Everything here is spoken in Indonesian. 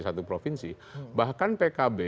satu provinsi bahkan pkb